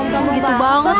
ya gitu banget